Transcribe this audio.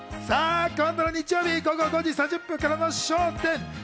さぁ今度の日曜日、午後５時３０分からの『笑点』。